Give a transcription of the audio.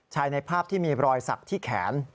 ในภาพที่มีรอยสักที่แขน